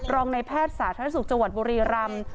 ในแพทย์สาธารณสุขจังหวัดบุรีรำ